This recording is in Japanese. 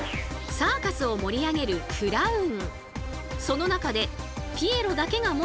サーカスを盛り上げるクラウン